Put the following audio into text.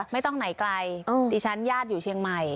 ไม่ต้องไหนไกลดิฉันญาติอยู่เชียงใหม่